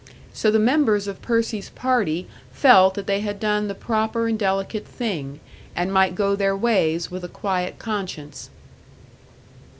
So the members of Percy's party felt that they had done the proper and delicate thing, and might go their ways with a quiet conscience.